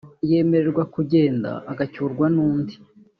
yemererwa kugenda agucyurwa n’undi